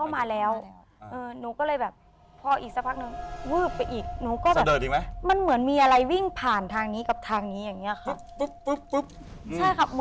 มันเหมือนมีอะไรวิ่งผ่านทางนี้กับทางนี้อย่างเงี้ค่ะ